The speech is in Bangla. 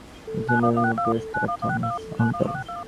তৃতীয়ত গুণবিশিষ্ট পরুষ অর্থাৎ অস্মিতা বা অহঙ্কার।